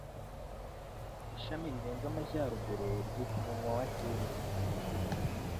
ishami rirenze amajyaruguru, ryitwa umunwa wa hinde